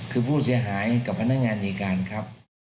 คือผู้เสียหายกับพนักงานในการครับ